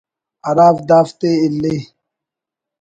بر دافتے اِلے